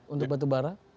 untuk batu barah